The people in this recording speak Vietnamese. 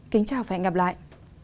kính chào và hẹn gặp lại